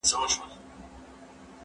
باور نسته یو په بل، سره وېریږي